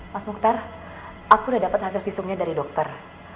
mas mukhtar aku udah dapet hasil visungnya dari dokter